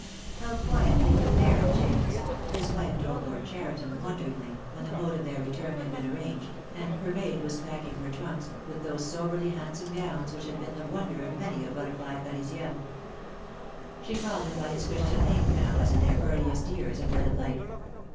"How quietly you bear it, James," his wife told Lord Cheriton, wonderingly, when the mode of their return had been arranged, and her maid was packing her trunks, with those soberly handsome gowns which had been the wonder of many a butterfly Parisienne. She called him by his Christian name now as in their earliest years of wedded life.